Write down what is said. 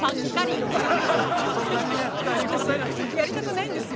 私やりたくないんですよ